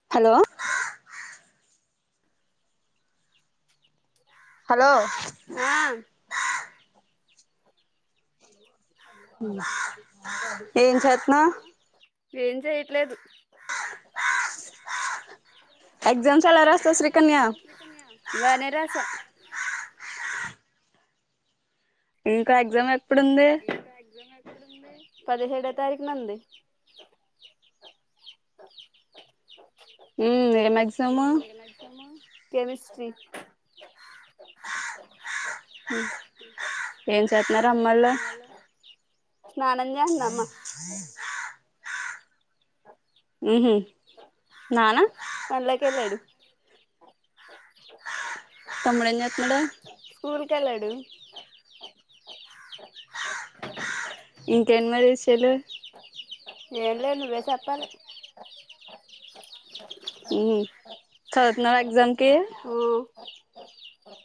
hello hello ఆ hello ఏం చేతునవ్ లేదు ఎగ్జామ్స్ ఎలా రాస్తావ్ ఎగ్జామ్స్ ఎలా శ్రీకన్య రాసావు శ్రీ కన్య బానే రాస్ ఇంకా ఎగ్జామ్ ఎప్పుడుంది పదిహేడో తారీఖునంది ఊమ్ నజ్ ఏ ఏమి ఎగ్జామ్ కెమిస్ట్రి ఏం చేస్తున్నారు అమ్మోళ్ళు స్నానం చేస్తాంది అమ్మ ఉహు నానా పన్లోకి ఎళ్ళాడు తమ్ముడు ఏం చేస్తున్నాడు ఊరిక్ కలడు ఇంకే ఎ మరి విషయాలు ఏం లేదు నువ్వే సెప్పాలి ఉ చదువుతున్నావా ఎగ్జామ్ కి త